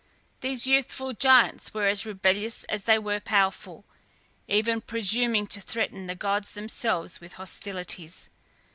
These youthful giants were as rebellious as they were powerful, even presuming to threaten the gods themselves with hostilities.